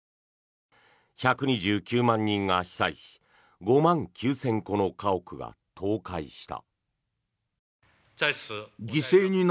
１２９万人が被災し５万９０００戸の家屋が倒壊した。